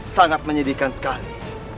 sangat menyedihkan sekali